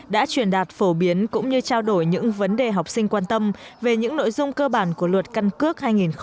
đã truyền đạt phổ biến cũng như trao đổi những vấn đề học sinh quan tâm về những nội dung cơ bản của luật căn cước hai nghìn hai mươi ba